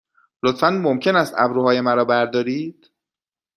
لطفاً ممکن است ابروهای مرا بردارید؟